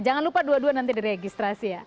jangan lupa dua dua nanti diregistrasi ya